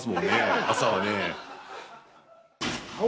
朝はね。